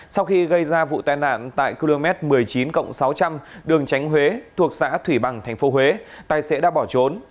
sau khi gây ra vụ tai nạn tại km một mươi chín sáu trăm linh đường tránh huế thuộc xã thủy bằng tp huế tài xế đã bỏ trốn